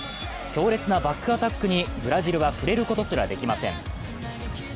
強烈なバックアタックにブラジルは触れることすらできません。